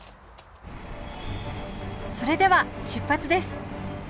それでは出発です！